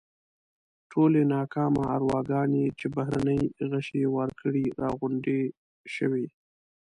ټولې ناکامه ارواګانې چې بهرني غشي یې وار کړي راغونډې شوې.